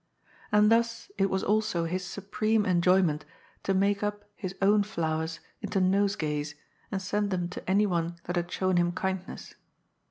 And thus it was also his supreme enjoyment to make up his own flowers into nosegays and send them to anyone that had shown him kindness.